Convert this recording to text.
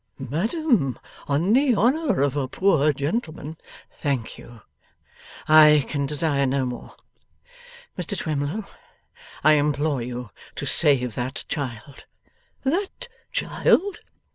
'Madam, on the honour of a poor gentleman ' 'Thank you. I can desire no more. Mr Twemlow, I implore you to save that child!' 'That child?